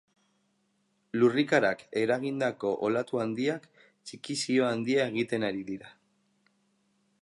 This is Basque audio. Lurrikarak eragindako olatu handiak txikizio handia egiten ari dira.